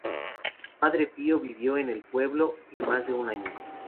Padre Pío vivió en el pueblo y más de un año.